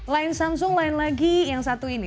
lain samsung lain lagi yang satu ini